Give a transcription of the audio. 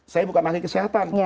saya bukan ahli kesehatan